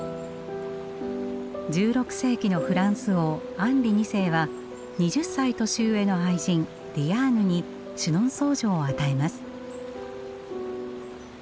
１６世紀のフランス王アンリ二世は２０歳年上の愛人ディアーヌにシュノンソー城を与えます。